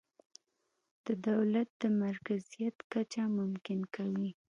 د دولت د مرکزیت کچه ممکنه کوي.